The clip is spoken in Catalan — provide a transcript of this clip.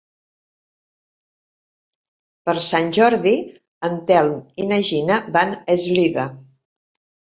Per Sant Jordi en Telm i na Gina van a Eslida.